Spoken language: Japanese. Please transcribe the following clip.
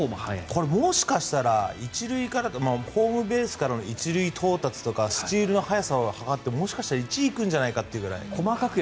これ、もしかしたらホームベースから１塁到達とかスチールの速さを測っても１位行くんじゃないかというくらい。